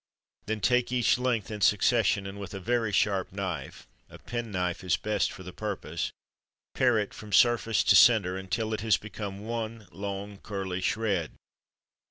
Then take each length, in succession, and with a very sharp knife a penknife is best for the purpose pare it from surface to centre, until it has become one long, curly shred.